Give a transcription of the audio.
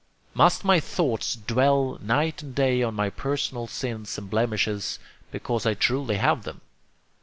Must my thoughts dwell night and day on my personal sins and blemishes, because I truly have them?